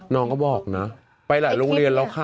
น้องก็บอกนะไปหลายโรงเรียนแล้วค่ะ